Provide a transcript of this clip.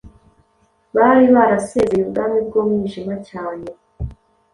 Bari barasezereye ubwami bw’umwijima cyane